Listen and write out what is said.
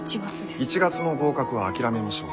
１月の合格は諦めましょう。